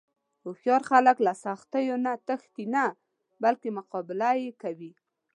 هوښیار خلک له سختیو نه تښتي نه، بلکې مقابله یې کوي.